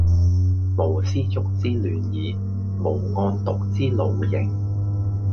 無絲竹之亂耳，無案牘之勞形